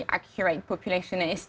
pengurusan populasi yang tepat